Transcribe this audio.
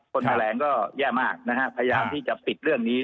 คนแถลงก็แย่มากนะฮะพยายามที่จะปิดเรื่องนี้